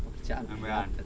kerjaan kita nanti sama